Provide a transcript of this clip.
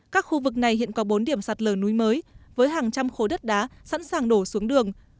các khu vực này hiện có bốn điểm sạt lở núi mới với hàng trăm khối đất đá sẵn sàng đổ xuống đường